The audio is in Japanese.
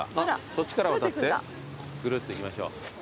そっちから渡ってぐるっと行きましょう。